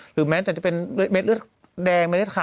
หรือแม้จะเป็นเม็ดเลือดแดงเม็ดเลือดขา